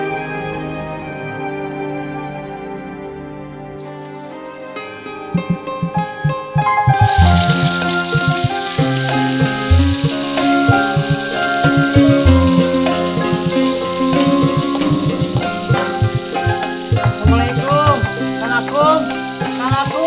assalamualaikum assalamualaikum assalamualaikum